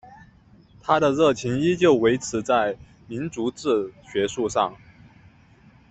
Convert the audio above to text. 他的热情依旧维持在民族志学术上。